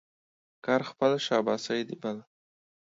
کار خپل ، شاباسي د بل.